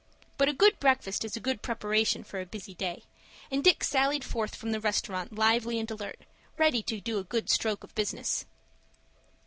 But a good breakfast is a good preparation for a busy day, and Dick sallied forth from the restaurant lively and alert, ready to do a good stroke of business.